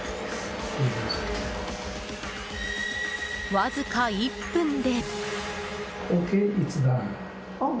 わずか１分で。